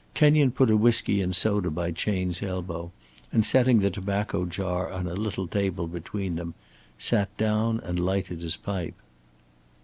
Kenyon put a whisky and soda by Chayne's elbow, and setting the tobacco jar on a little table between them, sat down and lighted his pipe.